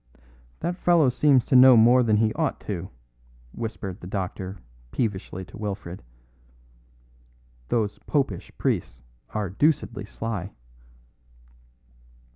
"That fellow seems to know more than he ought to," whispered the doctor peevishly to Wilfred. "Those popish priests are deucedly sly."